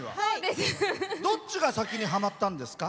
どっちが先にはまったんですか？